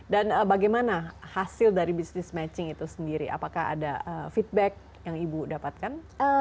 dan bagaimana hasil dari business matching itu sendiri apakah ada feedback yang ibu dapatkan